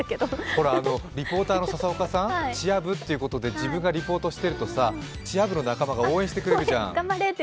ほら、リポーターの佐々岡さん、チア部ってことで自分がリポートしてるとチア部の仲間が応援してくれるでしょ。